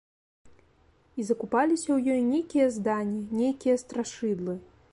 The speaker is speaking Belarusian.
І закупаліся ў ёй нейкія здані, нейкія страшыдлы.